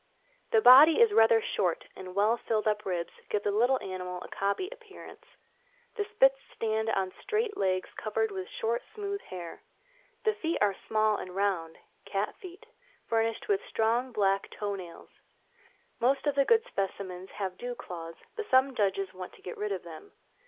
The body is rather short, and well filled up ribs give the little animal a cobby appearance. The Spits stands on straight legs covered with short, smooth hair. The feet are small and round (cat feet), furnished with strong black toe nails. Most of the good specimens have dew claws, but some judges want to get rid of them.